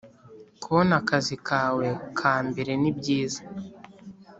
Kubona akazi kawe kamberenibyiza